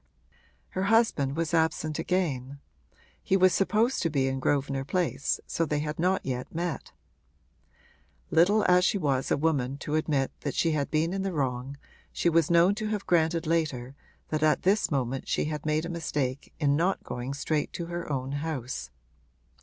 Her husband was absent again; he was supposed to be in Grosvenor Place, so that they had not yet met. Little as she was a woman to admit that she had been in the wrong she was known to have granted later that at this moment she had made a mistake in not going straight to her own house.